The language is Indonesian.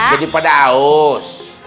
jadi pada aus